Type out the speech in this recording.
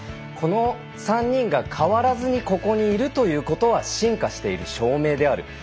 この３人が変わらずにここにいるということは進化している証明である。